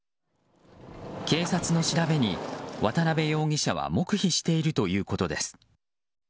警察の調べに、渡辺容疑者は黙秘しているということです。